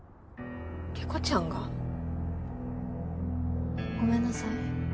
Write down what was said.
理子ちゃんが？ごめんなさい。